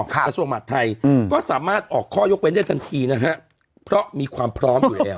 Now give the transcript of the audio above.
กระทรวงหัสไทยก็สามารถออกข้อยกเว้นได้ทันทีนะฮะเพราะมีความพร้อมอยู่แล้ว